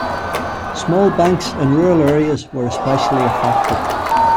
Small banks in rural areas were especially affected.